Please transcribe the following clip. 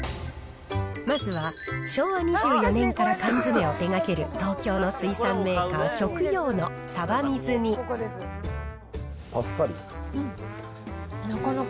まずは昭和２４年から缶詰を手がける東京の水産メーカー、あっさり。